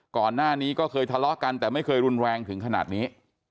ก่อนหน้านี้ก็เคยทะเลาะกันแต่ไม่เคยรุนแรงถึงขนาดนี้